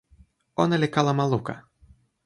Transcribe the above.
ona li kalama luka.